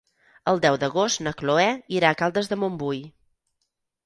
El deu d'agost na Cloè irà a Caldes de Montbui.